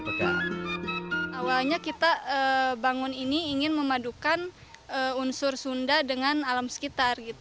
ketika kita membangun ini kita ingin memadukan unsur sunda dengan alam sekitar